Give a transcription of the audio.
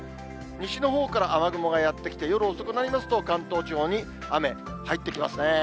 西のほうから雨雲がやって来て、夜遅くなりますと、関東地方に雨入ってきますね。